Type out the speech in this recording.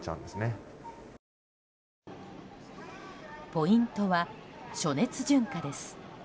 ポイントは暑熱順化です。